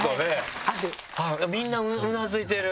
みんなうなづいてる！